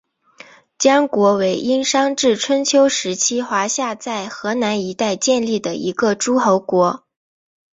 江国为殷商至春秋时期华夏在河南一带建立的一个诸侯国。